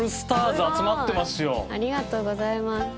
ありがとうございます。